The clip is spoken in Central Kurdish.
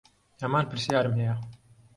هەمان پرسیارم هەیە.